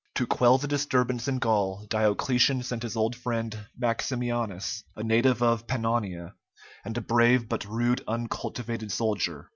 To quell the disturbance in Gaul, Diocletian sent his old friend Maximianus, a native of Pannonia, and a brave but rude uncultivated soldier.